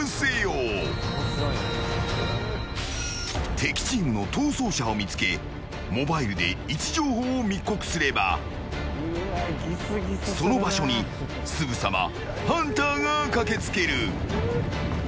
敵チームの逃走者を見つけモバイルで位置情報を密告すればその場所にすぐさまハンターが駆けつける。